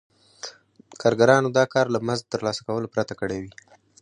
کارګرانو دا کار له مزد ترلاسه کولو پرته کړی وي